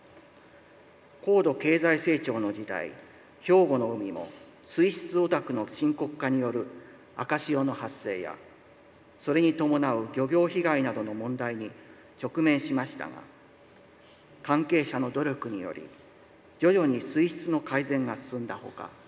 高度経済成長の時代、兵庫の海も水質汚濁の深刻化による赤潮の発生やそれに伴う漁業被害などの問題に直面しましたが関係者の努力により徐々に水質の改善が進んだ他